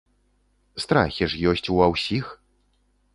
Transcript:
Страхі ж ёсць у ва ўсіх!